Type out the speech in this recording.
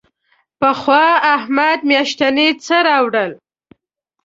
پخوا احمد میاشتنی څه راوړل.